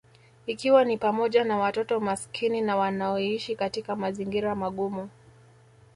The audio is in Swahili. Ikiwa ni pamoja na watoto maskini na wanaoishi katika mazingira magumu